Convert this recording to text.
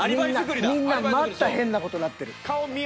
みんなまた変な事になってる。